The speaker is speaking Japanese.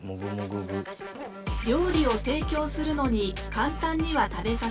料理を提供するのに簡単には食べさせない。